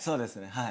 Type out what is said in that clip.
はい。